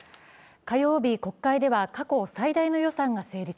火曜日、国会では過去最大の予算が成立。